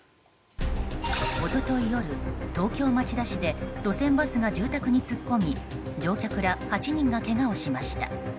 一昨日夜、東京・町田市で路線バスが住宅に突っ込み乗客ら８人がけがをしました。